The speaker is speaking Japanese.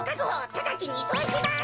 ただちにいそうします！